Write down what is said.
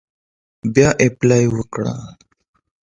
بیا اپلای وکړه.